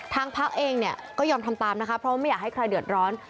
พักเองเนี่ยก็ยอมทำตามนะคะเพราะว่าไม่อยากให้ใครเดือดร้อน